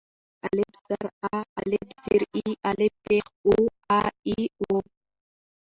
الپ زر آ، الپ زر اي، الپ پېښ أو آآ اي او.